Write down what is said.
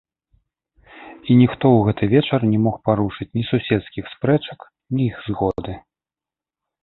І ніхто ў гэты вечар не мог парушыць ні суседскіх спрэчак, ні іх згоды.